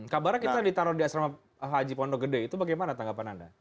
kabarnya kita ditaruh di asrama haji pondok gede itu bagaimana tanggapan anda